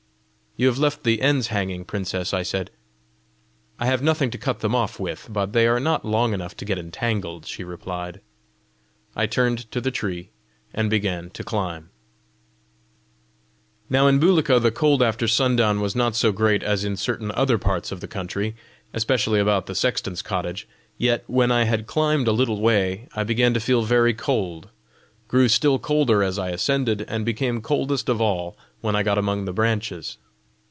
"You have left the ends hanging, princess!" I said. "I have nothing to cut them off with; but they are not long enough to get entangled," she replied. I turned to the tree, and began to climb. Now in Bulika the cold after sundown was not so great as in certain other parts of the country especially about the sexton's cottage; yet when I had climbed a little way, I began to feel very cold, grew still colder as I ascended, and became coldest of all when I got among the branches.